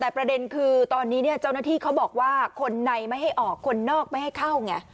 แต่ประเด็นคือตอนนี้เนี่ยเจ้าหน้าที่เขาบอกว่าคนในไม่ให้ออกคนนอกไม่ให้เข้าไง